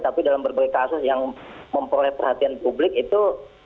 tapi dalam berbagai kasus yang memperoleh perhatian publik itu